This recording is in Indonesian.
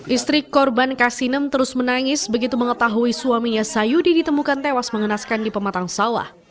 istri korban kasinem terus menangis begitu mengetahui suaminya sayudi ditemukan tewas mengenaskan di pematang sawah